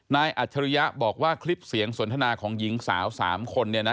อัจฉริยะบอกว่าคลิปเสียงสนทนาของหญิงสาว๓คน